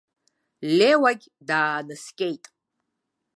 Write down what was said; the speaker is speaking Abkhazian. Леуагь даанаскьеит.